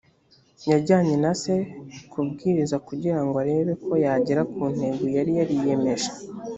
yajyanye na se kubwiriza kugira ngo arebe ko yagera ku ntego yari yariyemeje